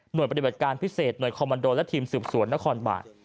โดยปฏิบัติการพิเศษหน่วยคอมมันโดและทีมสืบสวนนครบาล